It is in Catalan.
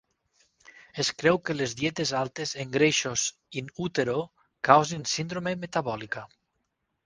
Es creu que les dietes altes en greixos "in utero" causen síndrome metabòlica.